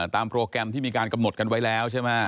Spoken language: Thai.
โปรแกรมที่มีการกำหนดกันไว้แล้วใช่ไหม